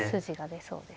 そうですね。